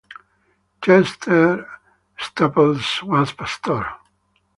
Chester Staples, was pastor.